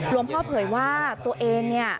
รวมพ่อเผยว่าตัวเอง